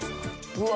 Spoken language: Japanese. うわ！